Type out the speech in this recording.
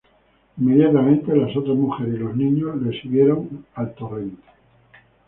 Inmediatamente, las otras mujeres y los niños la siguieron al torrente.